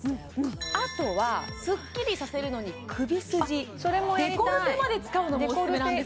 あとはスッキリさせるのに首筋デコルテまで使うのもおすすめなんです